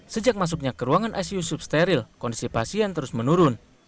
sejak masuknya ke ruangan icu substeril kondisi pasien terus menurun